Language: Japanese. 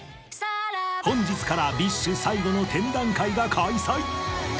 本日からＢｉＳＨ最後の展覧会が開催